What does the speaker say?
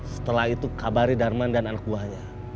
setelah itu kabari darman dan anak buahnya